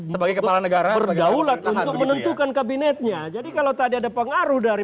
sebagai kepala negara berdaulat untuk menentukan kabinetnya jadi kalau tadi ada pengaruh dari